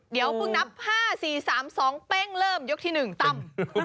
เดี๋ยวเพิ่งนับห้าสี่สามสองเป้งเริ่มยกที่หนึ่งตั้ม